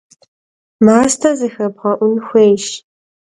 Maste zıxêbğe'un xuêyş.